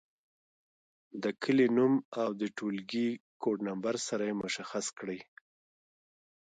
د کلي نوم او د ټولګي کوډ نمبر سره یې مشخص کړئ.